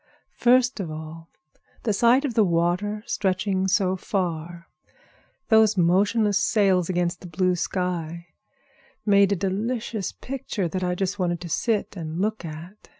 "First of all, the sight of the water stretching so far away, those motionless sails against the blue sky, made a delicious picture that I just wanted to sit and look at.